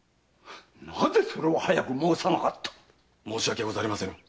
なぜそれを早く申さなかった⁉申し訳ございませぬ！